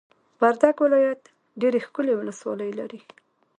وردګ ولایت ډېرې ښکلې ولسوالۍ لري!